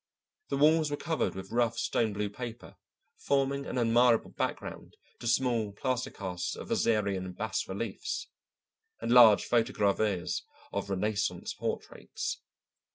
The walls were covered with rough stone blue paper, forming an admirable background to small plaster casts of Assyrian bas reliefs and large photogravures of Renaissance portraits.